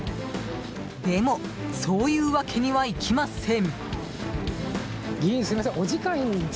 でも、そういうわけにはいきません。